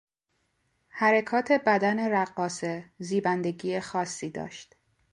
حرکات بدن رقاصه زیبندگی خاصی داشت.